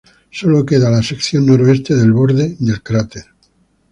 Sólo queda la sección noroeste del borde del cráter.